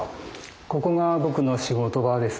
ここが僕の仕事場です。